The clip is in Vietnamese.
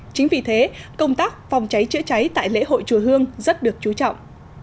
chính vì thế công tác phòng cháy chữa cháy tại lễ hội chùa hương rất được chú trọng